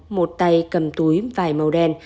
một tay cầm túi vài màu đen